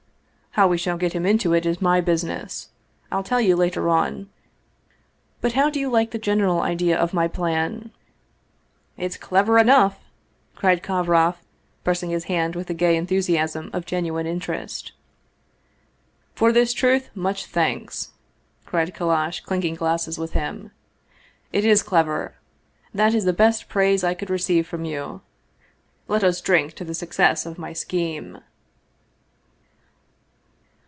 How we shall get him into it is my business. I'll tell you later on. But how do you like the general idea of my plan?" "It's clever enough!" cried Kovroff, pressing his hand with the gay enthusiasm of genuine interest. " For this truth much thanks !" cried Kallash, clinking glasses with him. " It is clever that is the best praise I could receive from you. Let us drink to the success of my scheme!